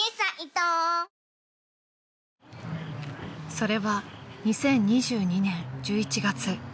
［それは２０２２年１１月］